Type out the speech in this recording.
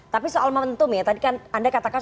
tapi soal momentum ya tadi kan anda katakan